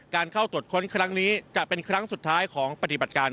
การเข้าตรวจค้นครั้งนี้จะเป็นครั้งสุดท้ายของปฏิบัติการ